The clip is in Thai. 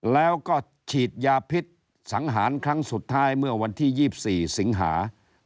แล้วก็ฉีดยาพิษสังหารครั้งสุดท้ายเมื่อวันที่๒๔สิงหา